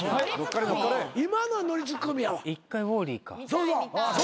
そうそう。